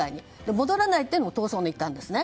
戻らないというのも逃走の一環ですね。